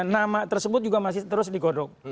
nama tersebut juga masih terus di godok